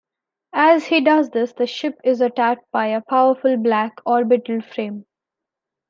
As he does this, the ship is attacked by a powerful black Orbital Frame.